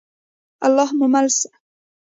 الله مو مل شه؟